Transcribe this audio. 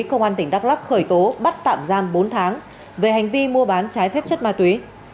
công an tỉnh đắk lắc khởi tố bắt tạm giam bốn tháng về hành vi mua bán trái phép chất ma túy